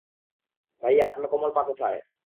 ভাইয়া, আপনার কমল পা কোথায়?